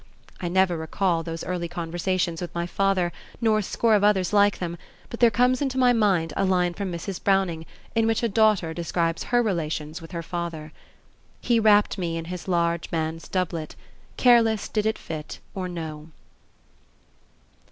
I never recall those early conversations with my father, nor a score of others like them, but there comes into my mind a line from Mrs. Browning in which a daughter describes her relations with her father: "He wrapt me in his large Man's doublet, careless did it fit or no."